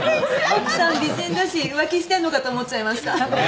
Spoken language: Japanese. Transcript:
奥さん美人だし浮気してんのかと思っちゃいました。